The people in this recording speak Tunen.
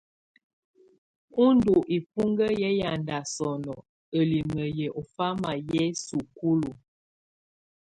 Ú ndù ibuŋkǝ yɛ ƴaŋda sɔnɔ ǝlimǝ yɛ ɔ ɔfama yɛ sukulu.